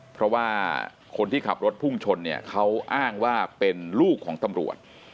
เพราะว่าคนที่ขับรถพุ่งชนเนี่ยเขาอ้างว่าเป็นลูกของตำรวจ